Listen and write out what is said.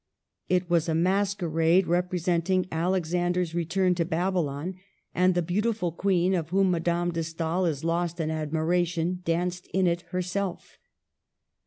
It was a masquerade representing Alexander's return to Babylon ; and the beauti ful queen, of whom Madame de Stael is lost in admiration, danced in it herself.